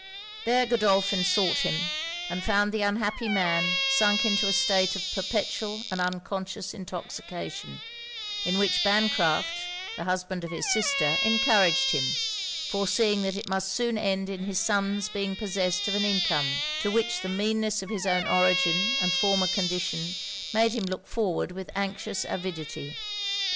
There Godolphin sought him; and found the unhappy man sunk into a state of perpetual and unconscious intoxication; in which Bancraft, the husband of his sister, encouraged him, foreseeing that it must soon end in his son's being possessed of an income, to which the meanness of his own origin, and former condition, made him look forward with anxious avidity.